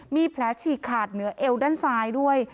มีแผลฉีกขาดเหนือเอวด้านซ้ายด้วย